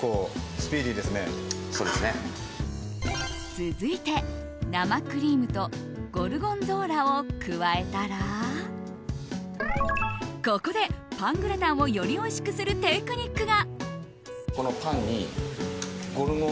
続いて生クリームとゴルゴンゾーラを加えたらここで、パングラタンをよりおいしくするテクニックが。